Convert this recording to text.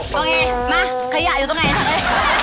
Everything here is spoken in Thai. กองอีมาขยะอยู่ตรงไหนทำอะไร